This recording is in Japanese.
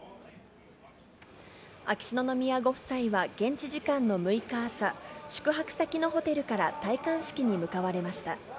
秋篠宮ご夫妻は現地時間の６日朝、宿泊先のホテルから戴冠式に向かわれました。